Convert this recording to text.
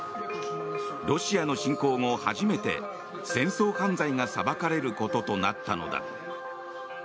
ロシアの侵攻後初めて戦争犯罪が裁かれることとなったのだ。